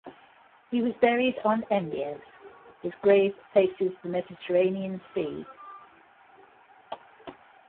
He was buried on Embiez; his grave faces the Mediterranean sea.